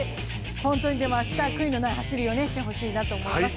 明日、悔いのない走りをしてほしいなと思います。